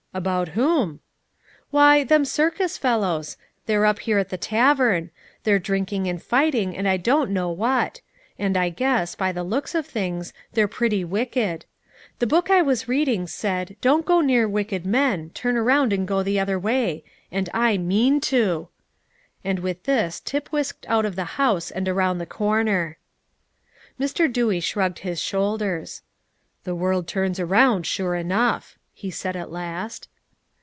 "About whom?" "Why, them circus fellows. They're up here at the tavern; they're drinking and fighting, and I don't know what; and I guess, by the looks of things, they're pretty wicked. The book I was reading said, Don't go near wicked men, turn around and go the other way; and I mean to." And with this Tip whisked out of the house and around the corner. Mr. Dewey shrugged his shoulders. "The world turns around, sure enough," he said at last.